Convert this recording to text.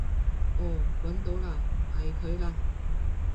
哦搵到嘞，係佢嚟